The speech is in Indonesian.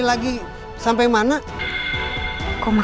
masuk bukan robin